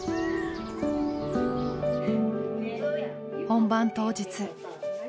本番当日。